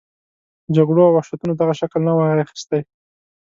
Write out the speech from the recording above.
جګړو او وحشتونو دغه شکل نه وای اخیستی.